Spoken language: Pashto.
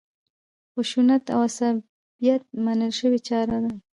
خشونت او عصبیت منل شوې چاره ده.